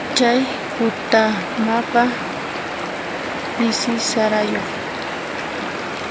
Chay kutamaqa pisi sarayuq.